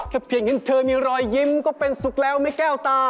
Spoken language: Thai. เพียงเห็นเธอมีรอยยิ้มก็เป็นสุขแล้วไม่แก้วตา